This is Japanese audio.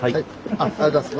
ありがとうございます。